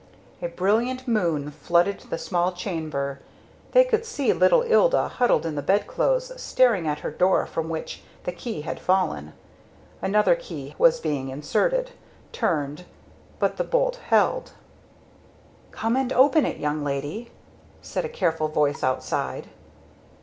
A brilliant moon flooded the small chamber. They could see little Ilda, huddled in the bedclothes, staring at her door from which the key had fallen. Another key was being inserted turned but the bolt held. "Come and open it, young lady!" said a careful voice outside.